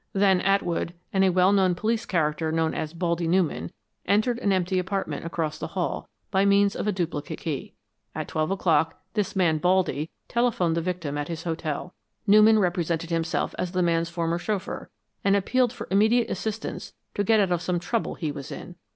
Then Atwood, and a well known police character known as 'Baldy' Newman, entered an empty apartment across the hall by means of a duplicate key. At twelve o'clock, this man 'Baldy' telephoned the victim at his hotel. Newman represented himself as the man's former chauffeur, and appealed for immediate assistance to get out of some trouble he was in.